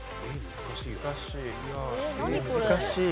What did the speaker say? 難しいな。